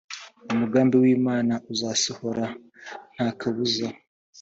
umugambi w imana uzasohora nta kabuza